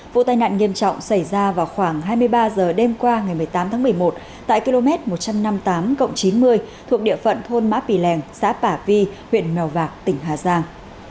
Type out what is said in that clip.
vụ tai nạn nghiêm trọng xảy ra vào khoảng hai mươi ba h đêm qua ngày một mươi tám tháng một mươi một tại km một trăm năm mươi tám chín mươi thuộc địa phận thôn mã pì lèng xã tả vi huyện mèo vạc tỉnh hà giang